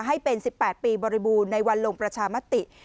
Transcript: ให้เป็น๑๘ปีบริบูรณ์ในวันลงประชามติ